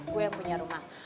gue yang punya rumah